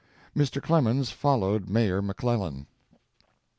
Mr. Clemens followed Mayor McClellan.